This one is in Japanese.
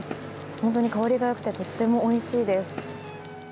本当に香りが良くてとってもおいしいです。